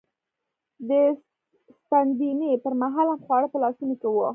د ستنېدنې پر مهال هم خواړه په لاسونو کې و.